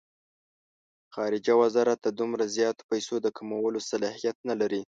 خارجه وزارت د دومره زیاتو پیسو د کمولو صلاحیت نه لري.